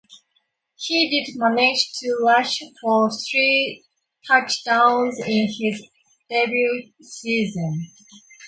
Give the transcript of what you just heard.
He did manage to rush for three touchdowns in his debut season.